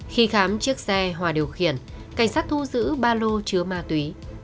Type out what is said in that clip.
khi khám chiếc xe hòa điều khiển cảnh sát thu giữ ba lô chứa ma túy